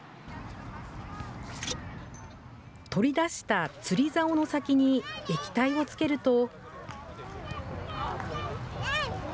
取り出した釣りざおの先に液体をつけると。